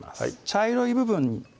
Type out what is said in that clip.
茶色い部分